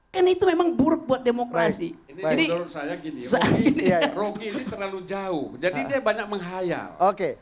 hai ini itu memang buruk buat demokrasi jadi saya gini saya ini terlalu jauh jadi banyak menghayal oke